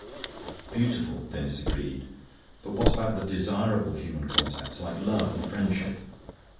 "Beautiful," Denis agreed. "But what about the desirable human contacts, like love and friendship?"